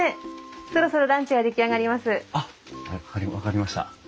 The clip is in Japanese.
あっ分かりました。